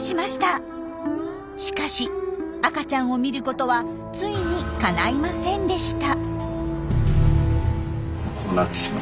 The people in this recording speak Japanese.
しかし赤ちゃんを見ることはついにかないませんでした。